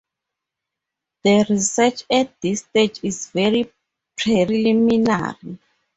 The research at this stage is very preliminary.